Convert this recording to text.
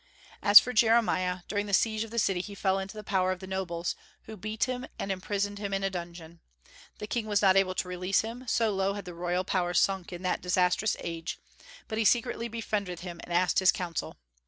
As for Jeremiah, during the siege of the city he fell into the power of the nobles, who beat him and imprisoned him in a dungeon. The king was not able to release him, so low had the royal power sunk in that disastrous age; but he secretly befriended him, and asked his counsel.